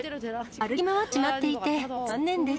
歩き回ってしまっていて、残念です。